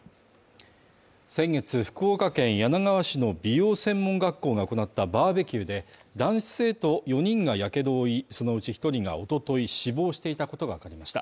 先月福岡県柳川市の美容専門学校が行ったバーベキューで男子生徒４人がやけどを負い、そのうち１人がおととい死亡していたことがわかりました。